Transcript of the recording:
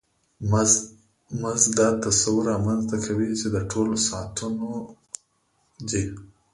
مزد دا تصور رامنځته کوي چې د ټولو ساعتونو دی